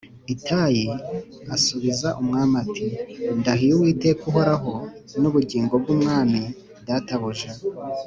Itayi asubiza umwami ati “Ndahiye Uwiteka uhoraho n’ubugingo bw’umwami databuja